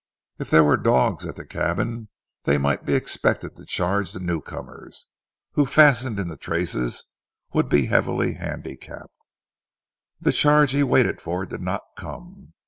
If there were dogs at the cabin they might be expected to charge the new comers, who fastened in the traces would be heavily handicapped. The charge he waited for did not come.